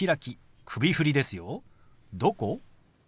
「どこ？」。